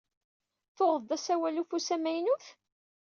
Tuɣeḍ-d asawal n ufus amaynut?